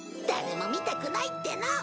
誰も見たくないっての！